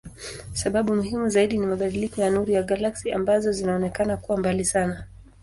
Sababu muhimu zaidi ni mabadiliko ya nuru ya galaksi ambazo zinaonekana kuwa mbali sana.